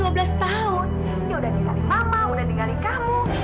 dia udah dingali mama udah dingali kamu